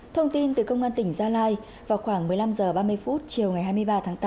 thông tin từ công an tỉnh gia lai vào khoảng một mươi năm h ba mươi chiều ngày hai mươi ba tháng tám